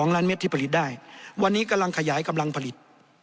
ล้านเม็ดที่ผลิตได้วันนี้กำลังขยายกำลังผลิต